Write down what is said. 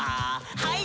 はい。